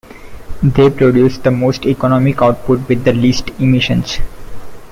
They produce the most economic output with the least emissions.